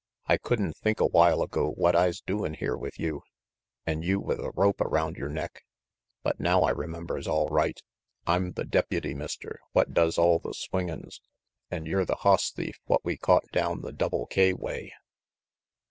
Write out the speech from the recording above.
I could'n think a while ago I's doin' here with you, an' you with a rope around yer neck, but now I remembers alright. I'm the deputy, Mister, what does all the swingin's, an' yer the hoss thief what we caught down the Double K way."